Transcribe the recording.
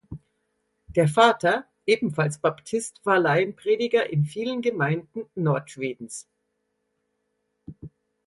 Der Vater, ebenfalls Baptist, war Laienprediger in vielen Gemeinden Nord-Schwedens.